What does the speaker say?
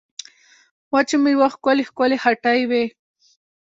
وچو مېوو ښکلې ښکلې هټۍ وې.